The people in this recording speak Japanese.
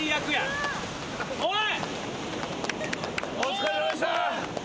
おい！